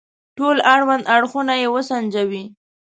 ټول اړوند اړخونه يې وسنجوي.